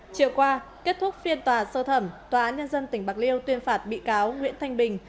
chiều qua kết thúc phiên tòa sơ thẩm tòa án nhân dân tỉnh bạc liêu tuyên phạt bị cáo nguyễn thanh bình